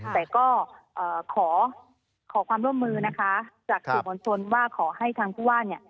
แต่ก็ขอขอความร่วมมือนะคะจากสื่อมวลชนว่าขอให้ทางผู้ว่าเนี่ย